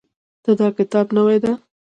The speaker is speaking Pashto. د تا کتاب نوی ده